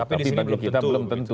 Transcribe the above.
tapi di sini belum tentu